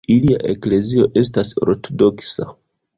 Ilia eklezio estas ortodoksa.